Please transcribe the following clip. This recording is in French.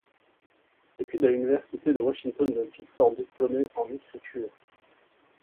Études à l’université de Washington, dont il sort diplômé en écriture.